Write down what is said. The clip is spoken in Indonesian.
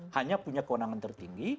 hanya punya kewenangan tertinggi